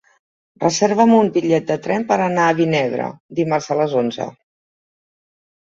Reserva'm un bitllet de tren per anar a Vinebre dimarts a les onze.